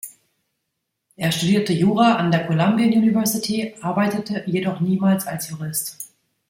Er studierte Jura an der Columbian University, arbeitete jedoch niemals als Jurist.